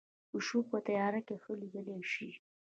پیشو په تیاره کې ښه لیدلی شي